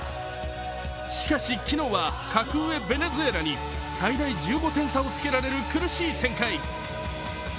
しかし、昨日は格上・ベネズエラに最大１５点差をつけられる苦しい展開。